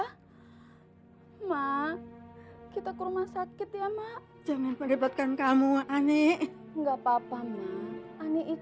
hai mak kita ke rumah sakit ya mak jangan perempatkan kamu ani enggak papa ma ani